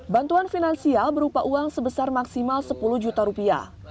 bantuan finansial berupa uang sebesar maksimal sepuluh juta rupiah